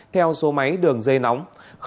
theo số máy đường dây nóng